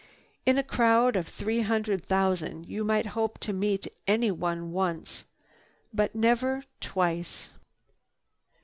In a crowd of three hundred thousand you might hope to meet anyone once, but never twice.